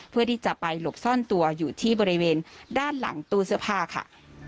เพื่อที่จะไปหลบซ่อนตัวอยู่ที่บริเวณด้านหลังตู้เสื้อผ้าค่ะ